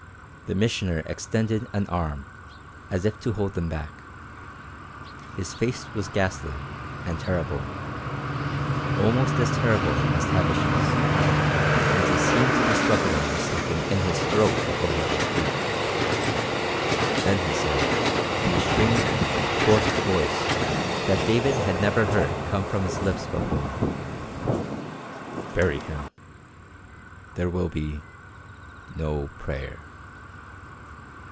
The Missioner extended an arm, as if to hold them back. His face was ghastly, and terrible almost as terrible as Tavish's, and he seemed to be struggling with something in his throat before he could speak. Then he said, in a strange, forced voice that David had never heard come from his lips before: "Bury him. There will be no prayer."